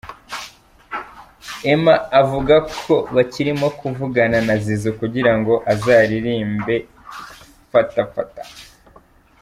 Emma avuga ko bakirimo kuvugana na Zizou kugira ngo azaririmbe “fata fata”.